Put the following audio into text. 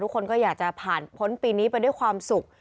คนก็อยากจะผ่านพ้นปีนี้ไปด้วยความสุข